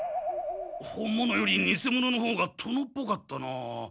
本物よりにせ者のほうが殿っぽかったなあ。